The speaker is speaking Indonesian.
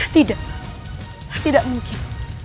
tidak tidak mungkin